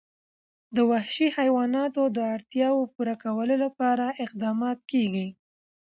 د وحشي حیواناتو د اړتیاوو پوره کولو لپاره اقدامات کېږي.